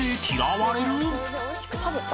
それでおいしく食べた。